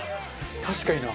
確かにな。